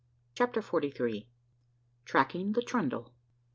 CHAPTER FORTY THREE. TRACKING THE TRUNDLE.